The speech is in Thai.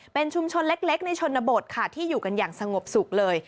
เป็นชุมชนเล็กในชนบทค่ะที่อยู่กันอย่างสงบสุขเลย